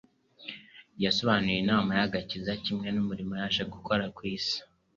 yasobanuye inama y'agakiza kimwe n'umurimo yaje gukora hano ku isi.